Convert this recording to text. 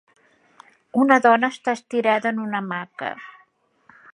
Una dona està estirada en una hamaca.